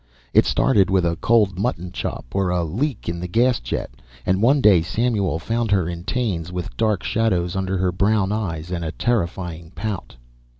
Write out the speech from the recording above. It started with a cold mutton chop or a leak in the gas jet and one day Samuel found her in Taine's, with dark shadows under her brown eyes and a terrifying pout.